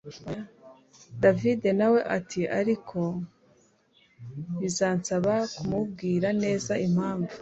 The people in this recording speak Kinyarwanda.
david nawe ati ariko bizansaba kumubwira neza impamvu